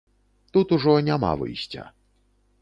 Тут ужо няма выйсця.